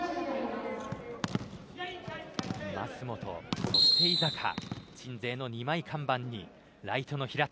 舛本そして井坂鎮西の２枚看板にライトの平田